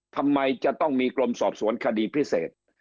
ทำไมจะต้องมีกรมสอบสวนคดีพิเศษ